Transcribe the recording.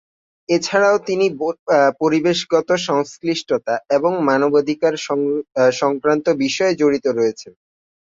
এছাড়াও তিনি পরিবেশগত সংশ্লিষ্টতা এবং মানবাধিকার সংক্রান্ত বিষয়েও জড়িত রয়েছেন।